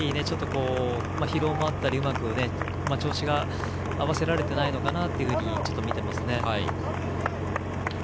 疲労もあったり、うまく調子が合わせられていないのかなと見ていますね。